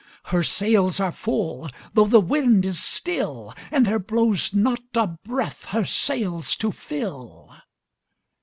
Her sails are full,—though the wind is still, And there blows not a breath her sails to fill!